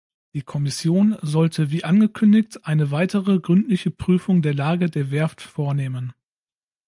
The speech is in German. Die Kommission sollte wie angekündigt eine weitere gründliche Prüfung der Lage der Werft vornehmen.